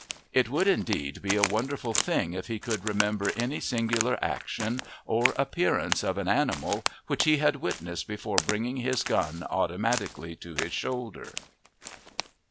It would, indeed, be a wonderful thing if he could remember any singular action or appearance of an animal which he had witnessed before bringing his gun automatically to his shoulder.